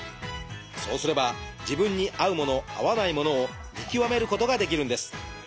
そうすれば自分に合うもの合わないものを見極めることができるんです。